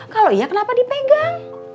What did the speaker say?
kalau iya kenapa dipegang